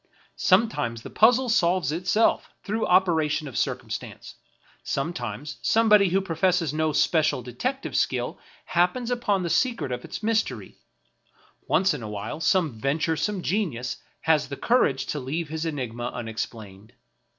Sometimes the puzzle solves itself through operation of circumstance ; sometimes somebody who professes no special detective skill happens upon the secret of its mystery ; once in a while some ven turesome genius has the courage to leave his enigma unex plained.